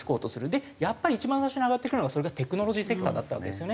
でやっぱり一番最初に挙がってくるのはそれがテクノロジーセクターだったわけですよね。